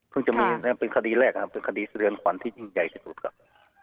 เพิ่งจะมีเป็นคดีแรกครับคดีสะเทือนขวัญที่ยิ่งใหญ่สิทธิ์ครับ